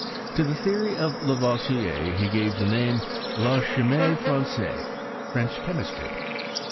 To the theory of Lavoisier he gavt the name of La Ckimie Fran^aise (French Chemis try).